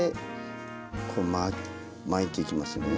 こう巻いていきますね。